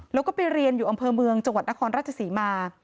แล้วก็ไปเรียนอยู่อำเภอเมืองจังหวัดนครราชศรีมา